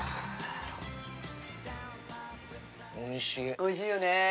おいしいよね。